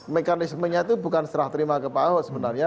mekanismenya itu bukan serah terima ke pak ahok sebenarnya